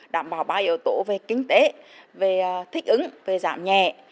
đảm bảo ba yếu tố về kinh tế về thích ứng về giảm nhẹ